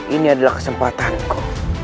ini adalah kesempatanku